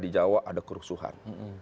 di jawa ada kerusuhan